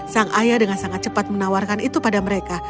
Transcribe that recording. sang ayah dengan sangat cepat menawarkan itu pada mereka